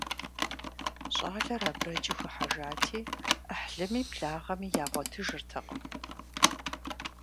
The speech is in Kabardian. ЩӀалэр абрэджу хыхьэжати, Ӏыхьлыми благъэми ягъуэтыжыртэкъым.